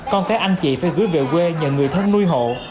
còn thế anh chị phải gửi về quê nhờ người thân nuôi hộ